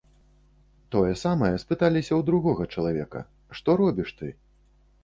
Тое самае спыталіся ў другога чалавека, што робіш ты?